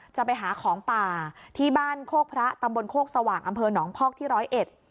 จะไปหาของป่าที่บ้านโคกพระตำบลโคกสว่างอำเภอหนองพอกที่ร้อยเอ็ด